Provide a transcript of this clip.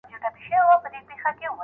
میرمن باید ضرر ونه رسوي.